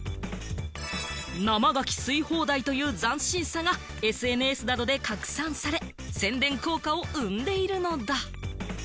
生ガキ吸い放題という斬新さがＳＮＳなどで拡散され、宣伝効果を生んでいるのだ。